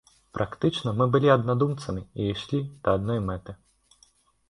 Практычна мы былі аднадумцамі і ішлі да адной мэты.